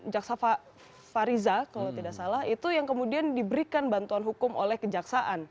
jaksa fariza kalau tidak salah itu yang kemudian diberikan bantuan hukum oleh kejaksaan